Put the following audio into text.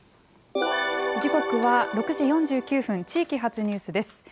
時刻は６時４９分、地域発ニュースです。